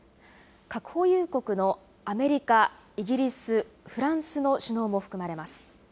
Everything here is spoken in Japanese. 核保有国のアメリカ、イギリス、フランスの首脳も含まれます。